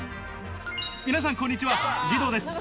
皆さん、こんにちは、義堂です。